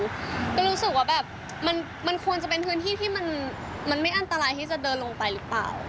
ก็รู้สึกว่าแบบมันควรจะเป็นพื้นที่ที่มันไม่อันตรายที่จะเดินลงไปหรือเปล่า